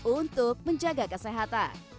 untuk menjaga kesehatan